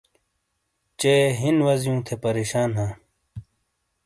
چے ہین وازیوں تھے پریشان ہاں۔